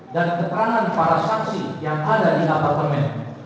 dan keterangan para saksi yang ada di apartemen